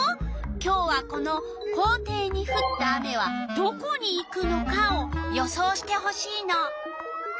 今日はこの「校庭にふった雨はどこにいくのか？」を予想してほしいの。